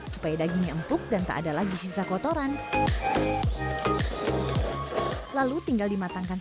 supaya dagingnya empuk dan tak ada lagi sisa kotoran lalu tinggal dimatangkan